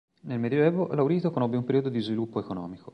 Nel Medioevo Laurito conobbe un periodo di sviluppo economico.